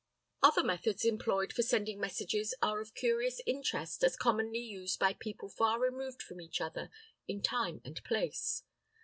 Other methods employed for sending messages are of curious interest as commonly used by people far removed from each other in time and place.